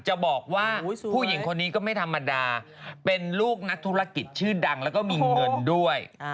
จะบอกว่าผู้หญิงคนนี้ก็ไม่ธรรมดาเป็นลูกนักธุรกิจชื่อดังแล้วก็มีเงินด้วย